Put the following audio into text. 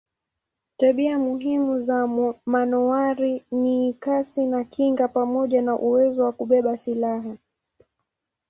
Tabia muhimu za manowari ni kasi na kinga pamoja na uwezo wa kubeba silaha.